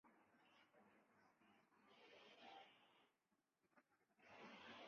南朝妇女就爱在髻上插饰梳栉。